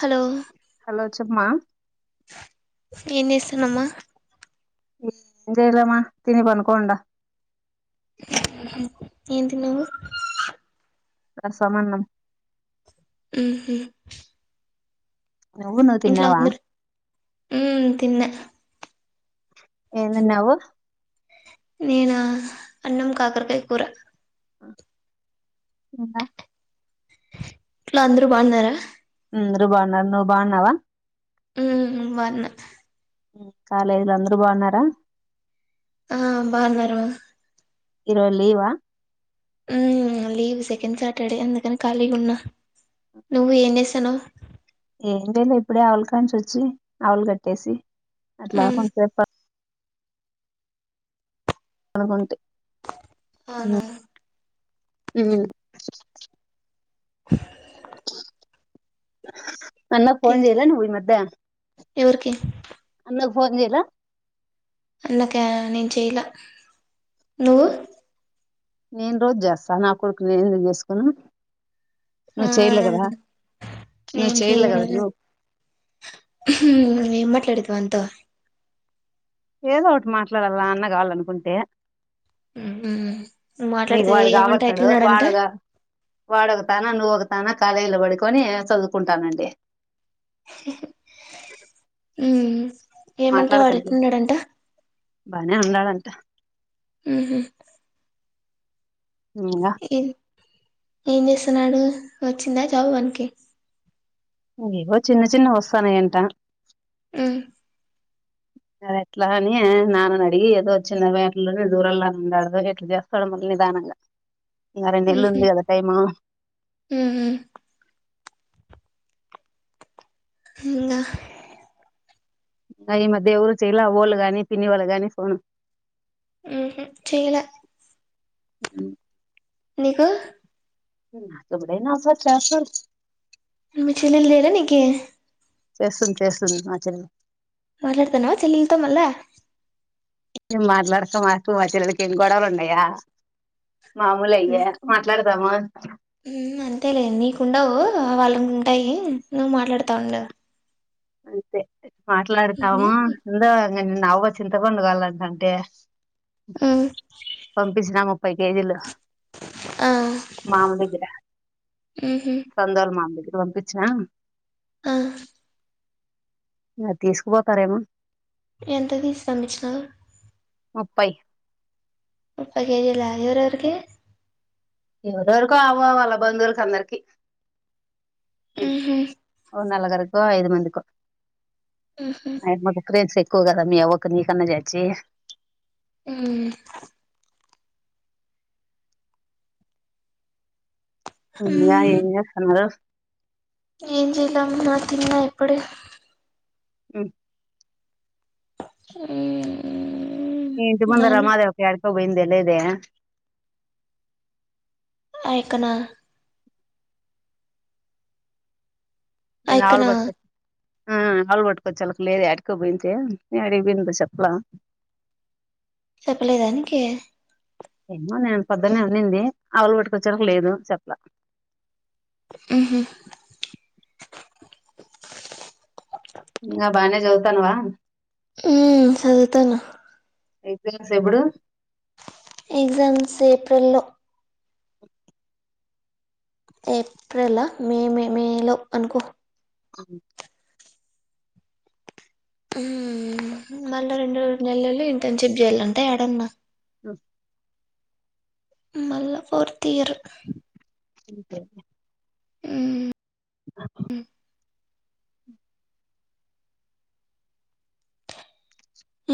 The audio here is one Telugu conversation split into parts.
హలో హలో చెప్మా ఏం చేస్తుంద్ అమ్మా ఏం చేయలే మా తిని పడుకోన్ ఉండా ఏం తిన్నవు ప్రసమన్నం మ్ హ్ నువ్వు నువ్వు ఇంట్లో తిన్నావా అందరు మ్ తిన్న ఏం తిన్నావు నేనా అన్నం కాకరకాయ కూర ఇంకా ఇంట్లో అందరు బాగున్నారా అందరు బాగున్నారు ను బాగున్నావా మ్ బాగున్నా కాలేదు రా అందరు బాగున్నారా ఆ బాగున్నారు మా ఈరోజు లీవ మ్ లీవ్ సెకండ్ సాటర్డే అందుకని ఖాళీగున్నా నువ్వు ఏం చేస్తానవ్ ఏం చేయలే ఇప్పుడే ఆవులు కాడ్ నుంచి వచ్చి ఆవులు కట్టేసి అట్లా ఉమ్ కొసే పడుకుంటి అవునా ఉహు అన్న ఎ- ఫోన్ చేయల నువ్ ఈ మధ్య ఎవరికి ఫోన్ చేయలా అందుకే నేన్ చెయలా నే న్ రోజు చేస్తా నా కొడుకు నేనెందుకు చేసుకోను నువ్వు చేయలే కదా నే నువ్వు న్ చేయలే కదా చెయలేదు నువ్వు ఉమ్ ఏం మాట్లాడదివా అంత ఏదో ఓటి మాట్లాడాల అన్న కావాలనుకుంటే ఉమ్ నీక్ మాట్లాడితే వాడు ఏమంటే కాబడత్తాడు ఎట్లున్నాడంట వాడగా వాడొ ఒక తాన నువ్వ ఒక తాన కాలేజీలో పడుకొని చదువుకుంటానండి మ్ ఏమంటా వాడెటున్నాడంట పని ఉన్నాడు అంట ఊహు అవున ఏం చేస్తున్నాడు వచ్చిందా జాబ్ మనకి ఏవో చిన్న చిన్న వస్తాన్నయి అంట ఉహ్ ఎట్లా అని నాన్న అడిగి ఏదో వచ్చిినలో [unintelligible] దూరంలో ఉన్నాడో ఎట్లా చేస్తాడో మళ్ళీ ఇంక రెండు నెళ్ళు ఉహు ఉంది కదా టైము ఉహు ఇంగ అయి ఈ మధ్య ఎవరు చేయలా వాఓళ్ళ కాగానీ పిన్ని వాళ్ళ గాని ఫోను ఊహు చేయ్యల అ నీకు [unintelligible] అసలు చేస్తరు మి చెిల్లేలు లేర నీకి చేస్తుంది చేస్తుంది మా చెల్లి మాట్లాడతానవా చెల్లి ల్తోా మళ్ళా ఏ మాట్లాడుకో మాకు మా చెల్లిలికి ఏం గొడవలు ఉన్నాయా మామూలె ఇగ మాట్లాడదామ అంతే లె నీకుండవు వాళ్ళ ఉంటాయి నువ్వు మాట్లాడుతా ఉండవు అంతే మాట్లాడుతాము [unintelligible] నాక్కూడ చింతపండు కాళ్ళంటంటే ఉమ్ పంపించినా ముప్పై కేజీలు ఆ మామ్మ దగ్గర ఉహు చందోల్ మా మ్మది ఇటు పంపిచ్చిన ఆహ్ అది తీస్కుపోతారేమో ఎంతది శ్రమించినవు ముప్పై ముప్పై కేజీల ఎవరెవరికి ఎవరెవరికో ఆవ వాళ్ళ బంధుల్క్ అందరికి ఉహు నలగరికో ఐదు మంది కో ఉహు [inaudible] క్కువ కదా మీ ఎవర కన్నా తెచ్చి ఉహ్ ఇంగ ఉమ్ ఏమ్ చేస్తున్నారు. ఏం చేయల నా తిన్న ఇప్పుడే ఆ ఊ మీ ఇంటి ముంద రమాదేవి అక్క యాడికోపొయింది ఏళ్ళేది. పైకనా నేను ఆవులు ఐకనా పట్టుకొచ్చే ఆ ఆలు పట్టుకోచ్చు ళ్ళకి లేదు యాడికోపోయిందే, యాడికి పోయిందో చెప్పలా చెప్పలేదా నికి ఏమో నేను పొద్దునే అనింది ఆవులు పట్టుకొచ్చేళ్ళకి లేదు చెప్తా. ఉహు ఇంక బానే చదుతున్నవా ఉ సదువుతన్న నీకు తెల్సి ఎప్పుడు ఎగ్జామ్స్ ఏప్రిల్ లో అ ఏప్రేల మే మే మేలో అనుకో [inaudible] హూ మళ్ళ రెండు రోలు నెలలు ఇంటెన్షిప్ చేయాలంట ఎడన్నా. అ మళ్ళా ఫోర్త్ ఇయర్ అంతే ఉహు ఉ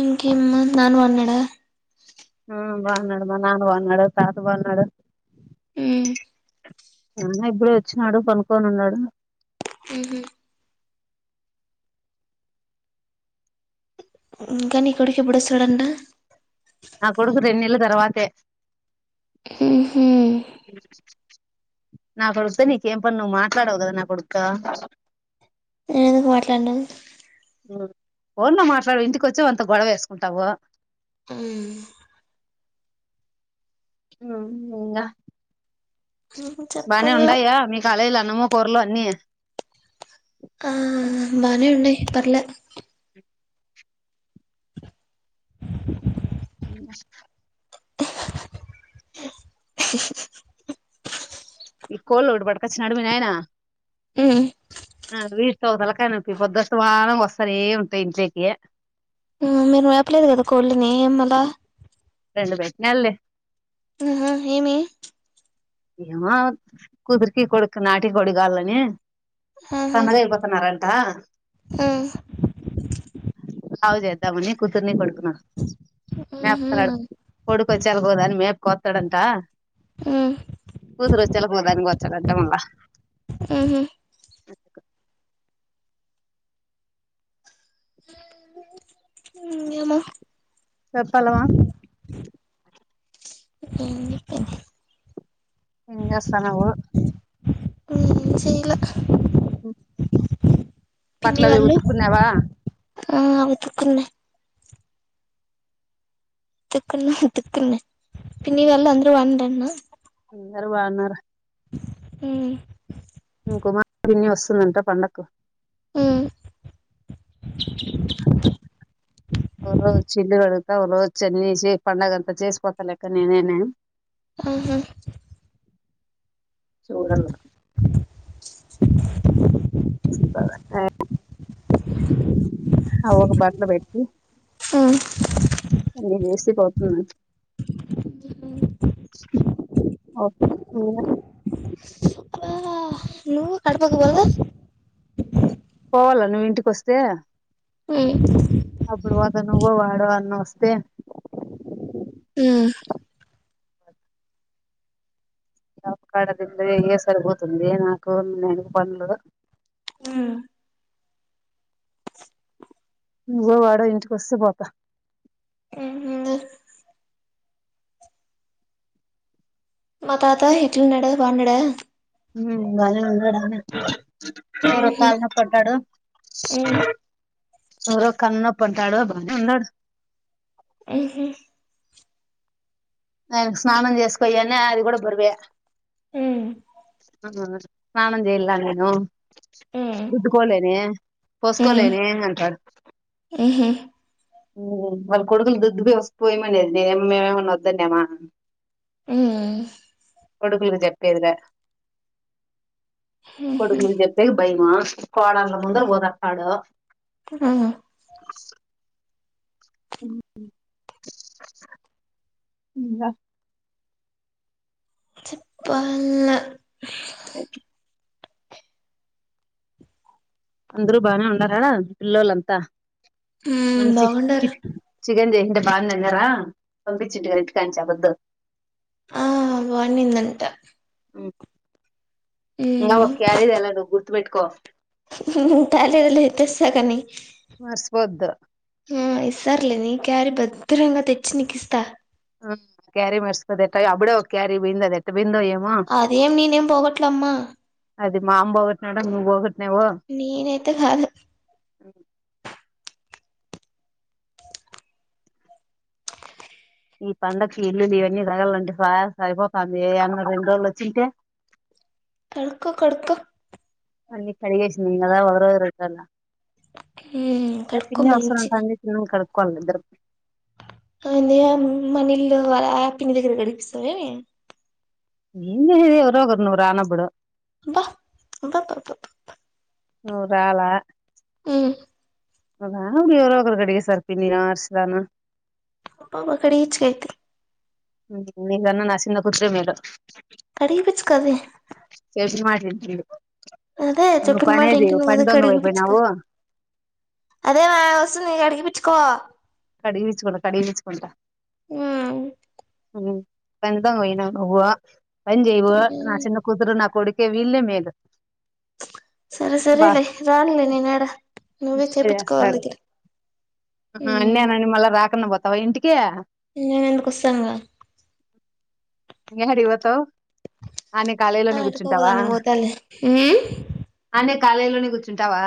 ఇంకేమ్మ నాన్న బోన్నాడా హు బావున్నాడు మా నాన్న బావున్నాడు, తాత బావున్నాడు. ఉమ్ అన్న ఇప్పుడే వచ్చినాడు పనుకొని ఉన్నాడు. ఉహు మ్ ఇంకా నీ కొడుకు ఎప్పుడు వస్తాడు అంట? పే హుహు అ నా కొడుతో నీకేం పని నువ్వు మాట్లాడవు కదా నా కొడుతో నేను ఎందుకు మాట్లాడనాను. ఫోన్ లో మాట్లాడు ఇంటిక వచ్చి వానితో గొడవ వేసుకుంటావు. ఉమ్ ఉహు ఇంగ బానే చెప్పాల ఉండయా మీ కాలేజీలో అన్నము, కూరలు అన్ని ఆ బానే ఉన్నాయ్ పర్లే న అ ఇ కోళ్ళోటి పట్టుకొచ్చాడు మి నాయన ఉమ్ ఆ వీటితో తలకాయనొప్పి పొద్దుఅంతమాను వస్తానే ఉంటాయి ఇంట్లోకి. హు మీరు మేపలేదు కదా కోళ్ళని ఏమలా రెండు పేటన్నాలే ఉహ ఏమి ఏమో కూతురికి, కొడుక్కి నాటుకోడి కావాలి అని ఆహా సన్నగా అయిపోతున్నారంట. ఆ లావు చేద్దామని కూతుర్ని, కొడుకును ఉహు మేపతున్నాడు కొడుకొచ్చేలా దానికి మే కొత్తాడంటా ఉమ్ కూతురోచ్చేలాకు ఒక్కదాన్ని కోస్తాడు అంట మళ్ళా. ఉహు క ఏమో చెప్పాలమా ఏం చెప్పింది ఏం చేస్తన్నావు? తిండ్ల చే [inaudible] బట్లు పిన్ని అవి వాళ్ళు ఉతుక్కున్నావా? ఆ ఉతుక్కున్న. ఉతుక్కున్నా ఉతుక్కున్నా పిన్ని వాళ్ళు అందరూ బాగుండుంటన్నా? అందరూ బాగున్నార? ఉమ్ కుమారుడిన్ని వస్తుందంట పండగకు ఉమ్ [unintelligible] చ్చి ఇల్లు కడుగు ఉలవచి అని చే పండగ అంతా చేసిపోతాలే అక్క నేనేనే అని ఊహూ చూడల్ల అవ్వకు బట్లు పెట్టి ఉమ్ అన్నీ చేేసి పోతున్నా. ఓకే అబ్బా నువ్వు కడప కి పోలే పోవల్ల నువ్వు ఇంటికి వస్తే ఉమ్ అప్పుడు పోతా నువ్వు వాడు అన్నోస్తే మ్ జాబ్ కాడ ది ఇయ్యే సరిపోతుంది నాకు నేను పన్లు మ్ నువ్వు వాడు ఇంటికి వస్తే పోతా. ఉహు మా తాత ఎట్లున్నడు బాగున్నాడా? ఉమ్ బానే ఉన్నాడు అన్న ఓ ఉహు కాలు నొప్పి అంటాడు. ఉమ్ ఓ రో కన్ను నొప్పి అంటాడు. బానే ఉన్నాడు. మ్ హు ఆయన స్నానం చేసుకోయె అన్నె అది కూడా బొరువే అ ఉమ్ ఆ ఆ స్నానం చెయల్లా నేను ఉమ్ రుద్దుకోలేనే ఉమ్, పోసుకోలేనే అంటాడు. ఉహు, ఉమ్ వాళ్ళ కొడుకులు దుద్దు పోస్ పొయ్యమనేది మేమేమన్న వద్దన్నామ. ఉమ్ కొడుకులకు చెప్పేదిలే. ఉహు, కొడుకులకు చెప్పేకి భయము. కోడల్ల ముందర ఓదారుస్తాడు. ఆ, ఊహు ఇంగ చెప్పాల్ల. అందరూ బానే ఉన్నార పిల్లోలంతా ఉమ్, మన బాగుండారు [unintelligible] చికెన్ చేసింటే బాగుందన్నారా పంపించ్చింటి కదా ఇంటి కాడ నుంచి ఆ పొద్దు ఆ బాగుంన్నిందంట ఇంగా ఒక క్యారీ తేలేదు గుర్తుపెట్టుకో ఉ మ్ తేలేదులే తెస్తా గాని మర్చిపోద్దు మ్ ఇస్ సర్లే నీ క్యారీ భద్రంగా తెచ్చి నీకిస్తా. క్యారి మర్చిపోతే ఎట్టాగ అబ్బుడే ఒక క్యారి పోయింది అది ఎట్ట పోయిందో ఏమో అదేం నీనేం పోగట్లేమ్మా. అది మాంమ్ బోగొట్నాడ నువ్వు పోగట్ నీనైతే కాదు. ఉమ్ ఈ పండకి ఇల్లు ఇవన్నీ సదరాలంటే సరిపోతుంది ఏన్న రెండు రోజులు వచ్చి ఉంటే కడుక్కో కడుక్కో అన్ని కడిగేసినం కదా ఒకరోజు రెండు రోజుల ఉమ్, ఆ కడుక్కో పిన్ని మంచిగా వస్తానటది ఇద్దరం కడుక్కోవాలి ఇద్దరం ఏంది మన ఇల్లు కాదా ఆ పిన్ని దగ్గర గడిపిస్తావా ఏమి నేమి ఎవరో ఒకరు నువ్వు రానప్పుడు అబ్బా అబ్బబ్బా బ్బా బ్బా నువ్వు రాలే ఉమ్ నువ్వు రానప్పుడు ఎవరో ఒకరు కడిగేస్తారు నేనో హరిత నో అబ్బబ్బా అడిగి చెయ్ అయితే మీకన్న నా చిన్న కూతురే మేలు కడిగి పిచ్చుకో అదే [unintelligible] అదే నువ్వు చెప్పిన మాట పనే చేయవు వింటుంది పని కదా దొంగ కడుగిపిచ్చుకు అయిపోయినావు అదే మా వస్తుంది కడిగిపిచ్చుకో కడిగి పిచ్చుకుంట కడిగి పిచ్చుకుంట ఉమ్ పని దొంగవైనవ్ నువ్వు పని చేయవు నా చిన్న కుతురు నా కొడుకే విళ్ళే మేలు సరే బా సరేలే రానులే నేనుడా నువ్వే బాగా చేపించుకోవాళ్ళ దగ్గర ఉమ్ అన్యానని మళ్ళా రాకుండా పోతావా ఇంటికి నేను ఎందుకు వస్తాను గా ఏహాడికి పోతావ్ ఆనే కాలేజీలోనే యాడికో కూర్చుంటావా ఒకదానికి పోతాలే ఉమ్ ఆనే కాలేజీలోనే కూర్చుంటావా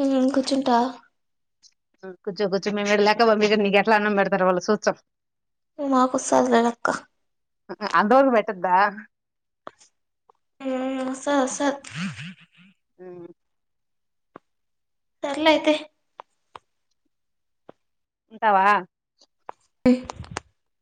ఉ కూర్చుంటా కూర్చో కూర్చో మేము ఇక్కడ లేకపోతే నీక ఎట్ల అన్నం పెడారు వాళ్ళు చూస్తాం మాక్ వస్తాది లేనక్క అబ్బ ఉమ్ వస్తాది వస్తది అ సర్లే అయితే ఉంటావా [unintelligible]